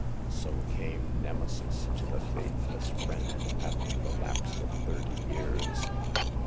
So came Nemesis to the faithless friend after the lapse of thirty years.